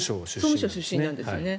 総務省出身なんですね。